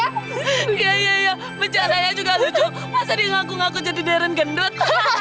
iya iya iya bacaranya juga lucu masa diangguk angguk jadi darren gendut